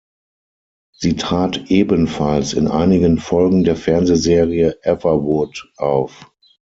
Sie trat ebenfalls in einigen Folgen der Fernsehserie "Everwood" auf.